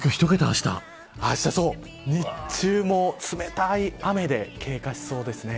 日中も冷たい雨で経過しそうですね。